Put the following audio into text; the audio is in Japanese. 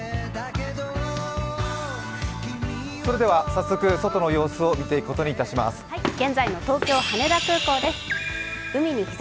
早速、外の様子を見ていくことにいたします。